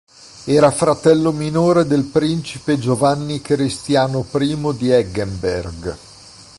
Era fratello minore del principe Giovanni Cristiano I di Eggenberg.